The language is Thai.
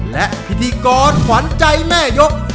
และพิธีกรขวัญใจแม่ยก